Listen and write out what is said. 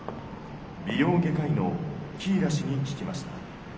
美容外科医のキーラ氏に聞きました」。